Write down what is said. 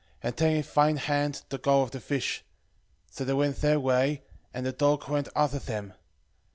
11:4 And take in thine hand the gall of the fish. So they went their way, and the dog went after them.